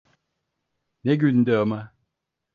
Ne gündü ama!